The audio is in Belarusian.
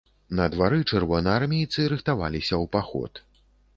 На двары чырвонаармейцы рыхтаваліся ў паход.